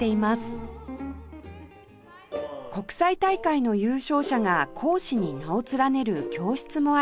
国際大会の優勝者が講師に名を連ねる教室もあり